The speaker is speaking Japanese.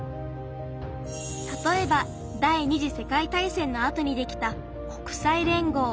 たとえば第２次世界大戦のあとにできた国際連合。